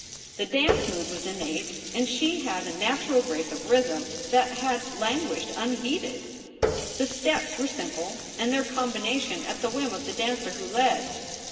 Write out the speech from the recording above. The dance mood was innate and she had a natural grace of rhythm that had languished unheeded. The steps were i/2 SOULS FOR SALE simple, and their combination at the whim of the dancer who led.